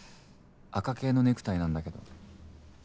赤系のネクタイなんだけど」。